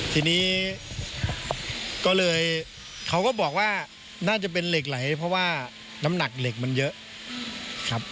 ทีนี้ก็เลยเขาก็บอกว่าน่าจะเป็นเหล็กไหลเพราะว่าน้ำหนักเหล็กมันเยอะครับ